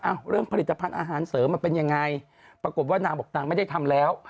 เรื่องผลิตภัณฑ์อาหารเสริมมันเป็นยังไงปรากฏว่านางบอกนางไม่ได้ทำแล้ว